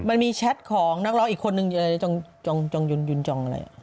มันมีแชทของนักร้องอีกคนนึงอะไรจองยุนจองอะไร